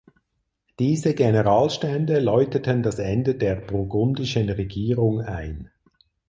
Diese Generalstände läuteten das Ende der „burgundischen Regierung“ ein.